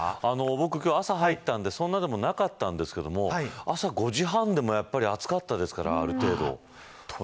僕は今日朝入ったんでそんなでもなかったんですけど朝５時半でもやっぱり暑かったですから、ある程度。